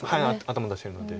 頭出してるので。